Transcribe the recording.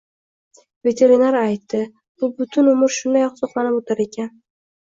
Veterinar aytdi, bu butun umr shunday oqsoqlanib oʻtar ekan